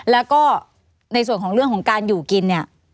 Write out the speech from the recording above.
แล้วก็ในส่วนของเรื่องของการอยู่กินเนี่ย